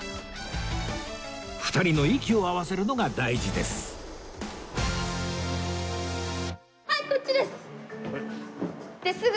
２人の息を合わせるのが大事ですですぐ。